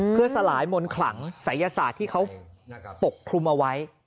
เพื่อสลายมนต์ขลังศัยศาสตร์ที่เขาปกคลุมเอาไว้